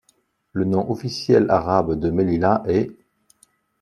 Le nom officiel arabe de Mellila est مليلة.